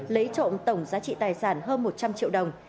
lấy trộm tổng giá trị tài sản hơn một trăm linh triệu đồng